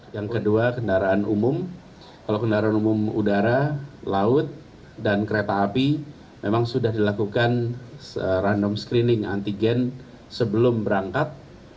yang kedua kendaraan umum kalau kendaraan umum udara laut dan kereta api memang sudah dilakukan random screening antigen sebelum berangkat